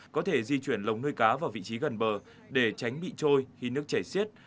có thể di chuyển lồng nuôi cá vào vị trí gần bờ để tránh bị trôi khi nước chảy xiết